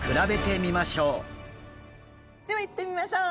ではいってみましょう。